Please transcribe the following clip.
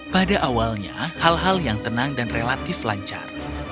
pada awalnya hal hal yang tenang dan relatif lancar